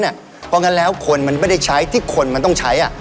เพราะงั้นแล้วคนมันไม่ได้ใช้ที่คนมันต้องใช้